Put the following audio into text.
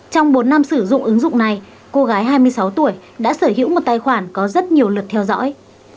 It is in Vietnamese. trong bốn năm sử dụng ứng dụng này cô gái hai mươi sáu tuổi đã sở hữu một tài khoản có rất nhiều lượt theo dõi